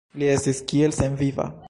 Li estis kiel senviva.